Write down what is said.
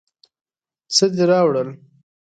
څه دې راوړل.